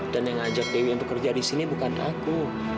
dan yang ngajak dewi untuk kerja disini bukan aku